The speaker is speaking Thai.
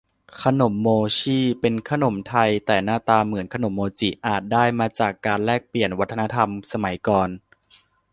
ขนมโม่ชี่ เป็นขนมไทย แต่หน้าตาเหมือนขนมโมจิ อาจได้มาจากการแลกเปลี่ยนวัฒนธรรมสมัยก่อน